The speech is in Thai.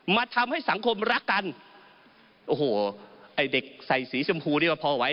มาทำให้สังคมรักกันโอ้โหไอ้เด็กใส่สีชมพูเรียกว่าพอไว้